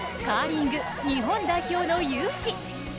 カーリング、日本代表の雄姿。